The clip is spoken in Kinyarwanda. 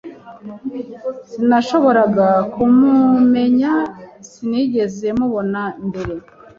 Sinashoboraga kumumenya, sinigeze mubona mbere.